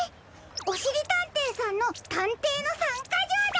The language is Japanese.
おしりたんていさんのたんていの３かじょうだ！